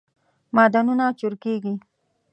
معدنونه چورکیږی